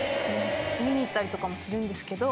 見に行ったりとかもするんですけど。